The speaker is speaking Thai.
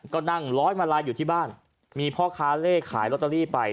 ก็นั่งร้อยมาลายอยู่ที่บ้านมีพ่อค้าเลขขายลอตเตอรี่ไป